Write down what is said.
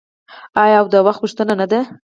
آیا او د وخت غوښتنه نه ده؟